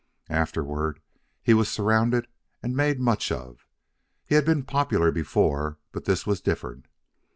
Afterward he was surrounded and made much of. He had been popular before, but this was different.